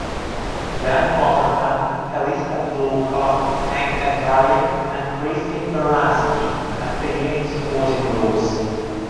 Dan Futterman, Calista Flockhart, Hank Azaria, and Christine Baranski appear in supporting roles.